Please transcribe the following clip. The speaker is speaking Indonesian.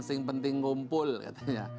sehingga penting kumpul katanya